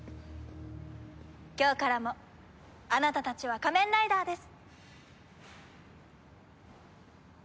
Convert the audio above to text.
今日からもあなたたちは仮面ライダーです。